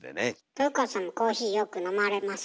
豊川さんもコーヒーよく飲まれます？